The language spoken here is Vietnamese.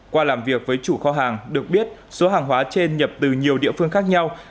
qua làm việc với chủ kho hàng được biết số hàng hóa trên nhập từ nhiều địa phương khác nhau